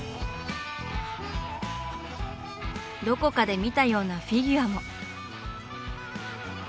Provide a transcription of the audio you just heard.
どこかで見たようなフィギュアも。